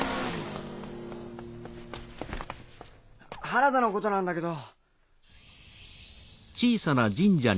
原田のことなんだけど。